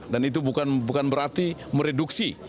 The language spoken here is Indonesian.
dan itu bukan berarti mereduksi